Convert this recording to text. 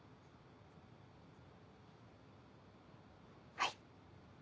はい。